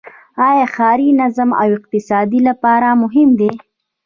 آیا ښاري نظم د اقتصاد لپاره مهم دی؟